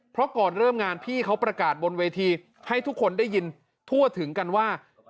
เพราะก่อนเริ่มงานพี่เขาประกาศบนเวทีให้ทุกคนได้ยินทั่วถึงกันว่า